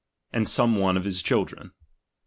And some one of hia children; 16.